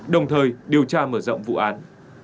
đồng thời điều tra mở rộng vụ án